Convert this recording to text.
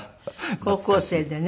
高校生でね